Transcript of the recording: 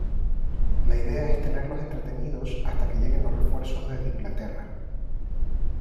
La idea es tenerlos entretenidos hasta que lleguen los refuerzos desde Inglaterra.